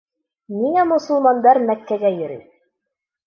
Ниңә мосолмандар Мәккәгә йөрөй?